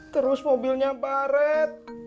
terus mobilnya baret